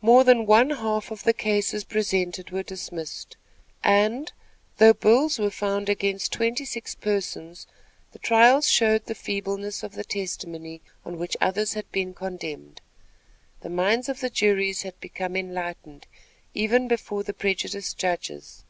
More than one half of the cases presented were dismissed; and, though bills were found against twenty six persons, the trials showed the feebleness of the testimony on which others had been condemned. The minds of the juries had become enlightened, even before the prejudiced judges.